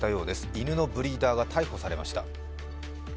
犬のブリーダーが逮捕されました。